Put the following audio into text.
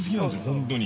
本当に。